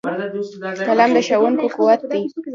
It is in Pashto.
قلم د ښوونکو قوت دی